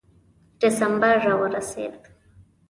ډسمبر را ورسېد.